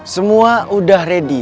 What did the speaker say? semua udah ready